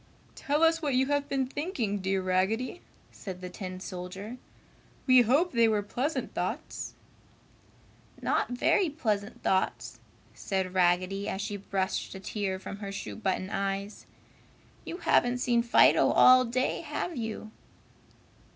"Tell us what you have been thinking, dear Raggedy," said the tin soldier. "We hope they were pleasant thoughts." "Not very pleasant thoughts!" said Raggedy, as she brushed a tear from her shoe button eyes. "You haven't seen Fido all day, have you?"